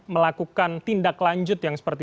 melakukan tindak lanjut yang seperti